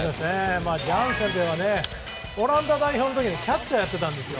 ジャンセンといえばオランダ代表の時はキャッチャーやってたんですよ。